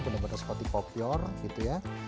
benar benar seperti kopior gitu ya